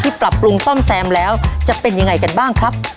ปรับปรุงซ่อมแซมแล้วจะเป็นยังไงกันบ้างครับ